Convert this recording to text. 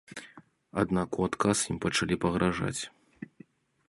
Аднак у адказ ім пачалі пагражаць.